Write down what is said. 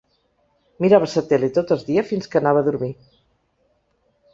Mirava sa tele tot es dia fins que anava a dormir